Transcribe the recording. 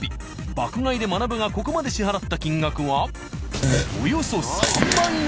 爆買いでまなぶがここまで支払った金額はおよそ３０，０００円。